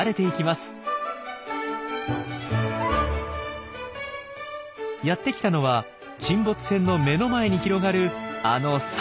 やってきたのは沈没船の目の前に広がるあのサンゴの辺りです。